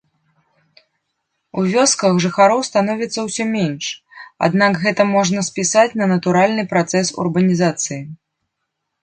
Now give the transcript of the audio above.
У вёсках жыхароў становіцца ўсё менш, аднак гэта можна спісаць на натуральны працэс урбанізацыі.